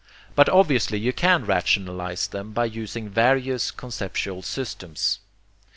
But obviously you can rationalize them by using various conceptual systems.